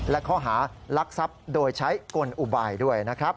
และข้อหารักทรัพย์โดยใช้กลอุบายด้วยนะครับ